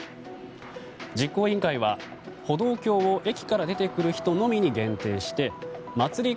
実行委員会は歩道橋を駅から出てくる人のみに限定して祭り